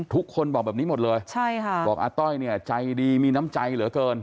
ทุกคนบอกแบบนี้หมดเลยบอกอาต้อยใจดีมีน้ำใจเหลือเกิน